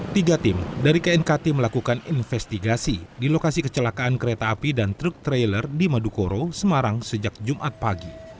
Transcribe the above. tiga tim dari knkt melakukan investigasi di lokasi kecelakaan kereta api dan truk trailer di madukoro semarang sejak jumat pagi